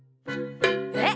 えっ？